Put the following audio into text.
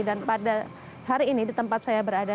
dan pada hari ini di tempat saya berada